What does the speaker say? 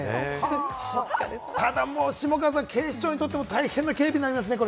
ただ下川さん、警視庁にとっては大変な警備になりますね。